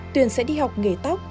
tuyền sẽ đi học nghề tóc